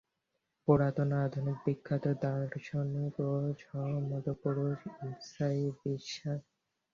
পুরাতন ও আধুনিক বিখ্যাত দার্শনিক ও সাধুমহাপুরুষদের ইহাই বিশ্বাস।